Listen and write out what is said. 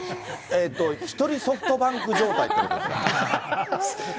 えーっと、１人ソフトバンク状態ってことですか？